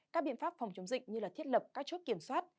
các biện pháp phòng chống dịch như thiết lập các chốt kiểm soát